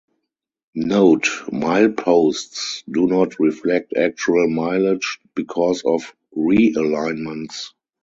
Note: mileposts do not reflect actual mileage because of realignments.